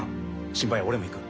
心配や俺も行く。